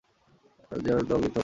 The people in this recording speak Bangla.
যে আমি তোমাকে মিথ্যে বলেছি।